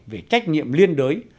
về trách nhiệm liên đối